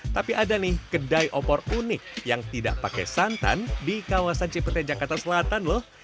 tapi ada nih kedai opor unik yang tidak pakai santan di kawasan cipete jakarta selatan loh